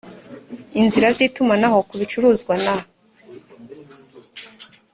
inzira z itumanaho ku bicuruzwa na